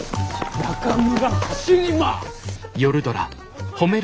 中村走ります！